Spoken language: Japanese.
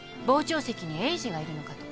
傍聴席に栄治がいるのかと。